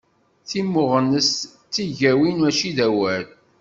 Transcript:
Timmuɣnest d tigawin mačči d awal.